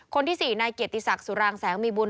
คนที่สี่ใหญ่เกียจฏิษักสุรางแสงมีบุญ